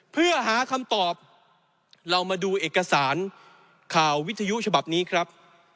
เพื่อหาคำตอบเรามาดูเอกสารข่าววิทยุฉบับนี้ครับ